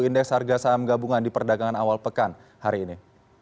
indeks harga saham gabungan di perdagangan awal pekan hari ini